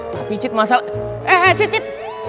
tapi cit masalahnya eh eh eh cit